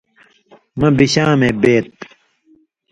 مہ بشامے بَیت۔